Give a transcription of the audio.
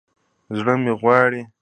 زړه مې غواړي